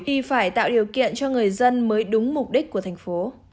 thì phải tạo điều kiện cho người dân mới đúng mục đích của thành phố